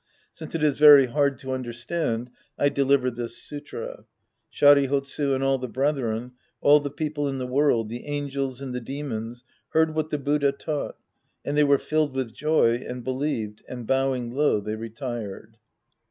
Since it is very hard to under stand, I deliver this sutra. Sharihotsu and all the brethren, all the people in the world, the angels and the demons heard what the Buddha taught, and they were filled with joy and believed and, bowing low, they retired.